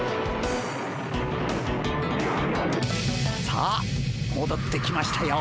さあもどってきましたよ。